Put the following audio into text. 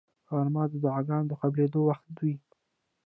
غرمه د دعاګانو د قبلېدو وخت وي